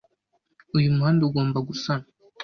Uyu muhanda ugomba gusanwa.